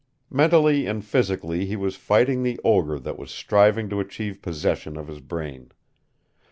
Mentally and physically he was fighting the ogre that was striving to achieve possession of his brain.